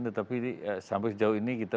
tetapi sampai sejauh ini kita